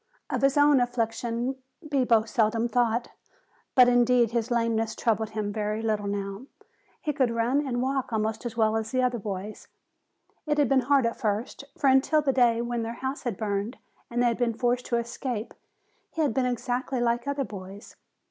Of his own affliction Bibo seldom thought, but indeed his lameness troubled him very little now. He could run and walk almost as well as the other boys. It had been hard at first, for until the day when their house had burned and they had been forced to escape, he had been exactly like other boys.